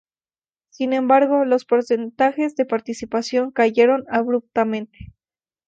Sin embargo, los porcentajes de participación cayeron abruptamente.